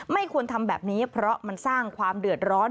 ไม่ควรทำแบบนี้เพราะมันสร้างความเดือดร้อน